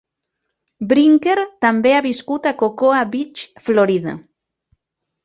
Brinker també ha viscut a Cocoa Beach, Florida.